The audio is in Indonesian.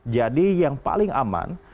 jadi yang paling aman